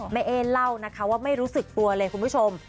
เอ๊เล่านะคะว่าไม่รู้สึกตัวเลยคุณผู้ชม